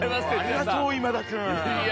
ありがとう今田君。